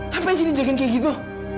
ngapain sih dia jagain kayak gitu